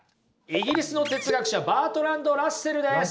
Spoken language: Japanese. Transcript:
イギリスの哲学者バートランド・ラッセルです。